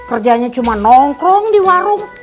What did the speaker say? esnya itu kamera lusti ya